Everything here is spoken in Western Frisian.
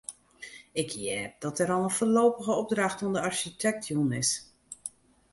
Ik hear dat der al in foarlopige opdracht oan de arsjitekt jûn is.